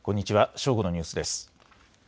正午のニュースです。